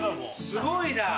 すごいな！